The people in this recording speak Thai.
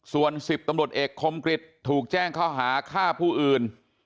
ส่วน๑๐ตำรวจเอกคมกริจถูกแจ้งข้อหาฆ่าผู้อื่น